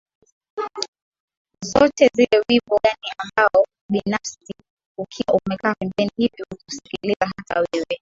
zote zile wimbo gani ambao binafsi ukiwa umekaa pembeni hivi ukausikiliza hata wewe